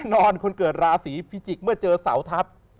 นอนคนเกิดราศีพิจิกษ์เมื่อเจอเสาทัพ